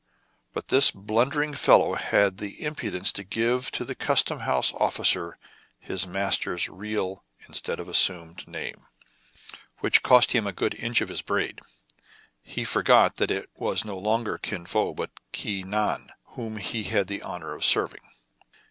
But this blundering fellow had the imprudence to give to the custom house officer his master's real instead of assumed name, which cost him a good inch of his braid. He forgot that it was no longer Kin Fo, but Ki Nan, whom he had the honor of serving.